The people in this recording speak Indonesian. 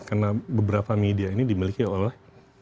karena beberapa media ini dimiliki oleh